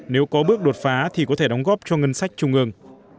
nếu có bước đột phá thì có thể đóng góp cho ngân sách trung ương